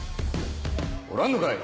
おらんのかい。